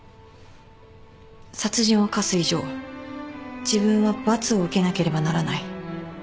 殺人を犯す以上自分は罰を受けなければならない。